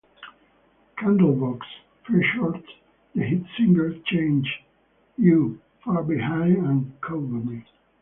"Candlebox" featured the hit singles "Change", "You", "Far Behind", and "Cover Me".